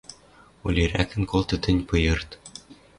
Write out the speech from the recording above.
Олерӓкӹн колты тӹнь пыйырт.